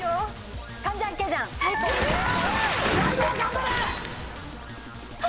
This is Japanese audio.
最後頑張れ！